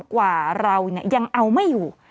กว่าเรายังเอาไม่อยู่